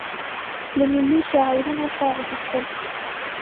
له ملي شعارونو کار اخیستل.